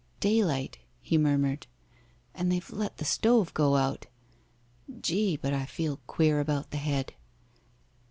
"Daylight," he murmured; "and they've let the stove go out. Gee! but I feel queer about the head."